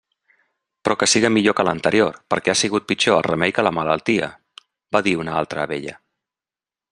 Però que siga millor que l'anterior, perquè ha sigut pitjor el remei que la malaltia —va dir una altra abella.